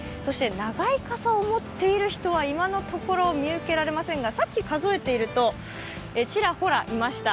長い傘を持っている人は、今のところ見受けられませんが、さっき数えていると、ちらほらいました。